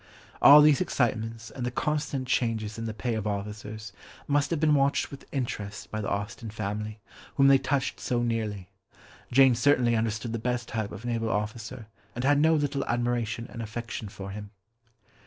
All these excitements, and the constant changes in the pay of officers, must have been watched with interest by the Austen family, whom they touched so nearly. Jane certainly understood the best type of naval officer, and had no little admiration and affection for him.